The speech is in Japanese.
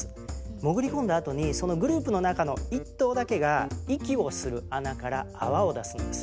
潜り込んだあとにそのグループの中の１頭だけが息をする穴から泡を出すんです。